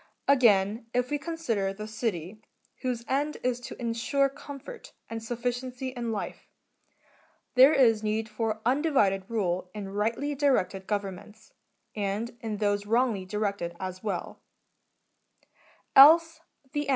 Again, if we consider the city, whose end is to insure comfort and sufficiency in life, there is need for un divide d rule in rightly directed governments, and in those wrongly directed ^ as well ; else the end 3.